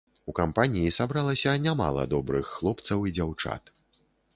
У кампаніі сабралася нямала добрых хлопцаў і дзяўчат.